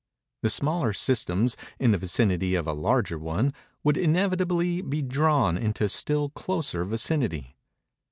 The smaller systems, in the vicinity of a larger one, would, inevitably, be drawn into still closer vicinity.